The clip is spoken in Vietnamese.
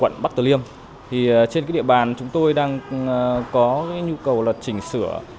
quận bắc tờ liêm thì trên địa bàn chúng tôi đang có nhu cầu là chỉnh sửa